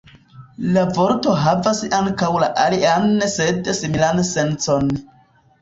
La vorto havas ankaŭ la alian sed similan sencon.